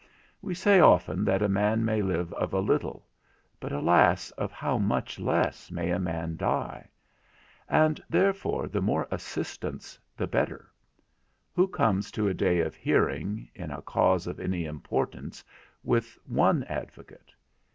We say often that a man may live of a little; but, alas, of how much less may a man die? And therefore the more assistants the better. Who comes to a day of hearing, in a cause of any importance, with one advocate?